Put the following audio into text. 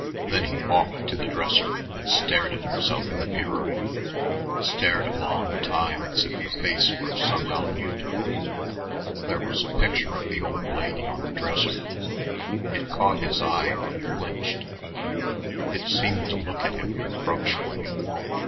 Then he walked to the dresser and stared at himself in the mirror, stared a long time as if the face were somehow new to him. There was a picture of the "old lady" on the dresser. It caught his eye, and he flinched. It seemed to look at him reproachfully.